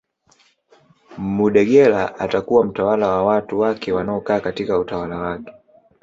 Mudegela atakuwa mtawala wa watu wake wanaokaa katika utawala wake